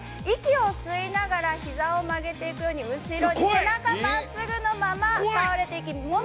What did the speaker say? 息を吸いながら膝を曲げていくように、後ろに背中まっすぐのまま倒れていきます。